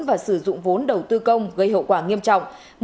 và sử dụng vốn đầu tư công gây hậu quả nghiêm trọng